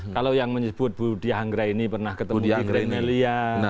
kalau yang menyebut budi hanggra ini pernah ketemu di greenelia